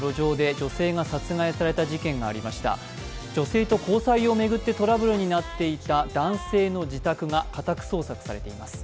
女性と交際を巡ってトラブルになっていた男性の自宅が家宅捜索されています。